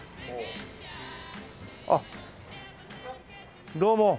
あっどうも。